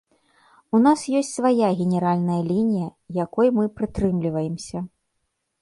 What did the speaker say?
У нас ёсць свая генеральная лінія, якой мы прытрымліваемся.